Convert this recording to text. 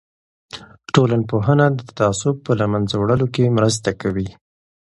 ټولنپوهنه د تعصب په له منځه وړلو کې مرسته کوي.